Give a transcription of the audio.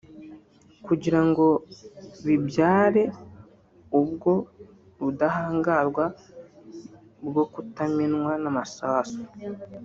kugira ngo bibyare ubwo budahangarwa bwo kutamenwa n’amasasu